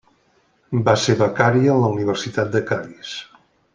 Va ser becària en la Universitat de Cadis.